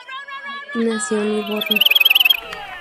Nació en Livorno.